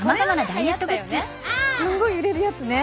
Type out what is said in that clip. すんごい揺れるやつね。